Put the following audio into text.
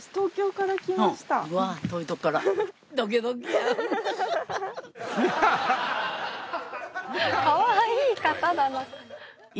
かわいい方だな。